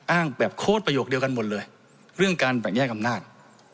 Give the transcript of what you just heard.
อ้างแบบโค้ดประโยคเดียวกันหมดเลยเรื่องการแบ่งแยกอำนาจ